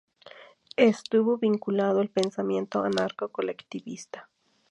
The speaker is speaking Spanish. Estuvo vinculado al pensamiento anarco-colectivista.